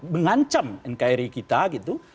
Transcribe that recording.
mengancam nkri kita gitu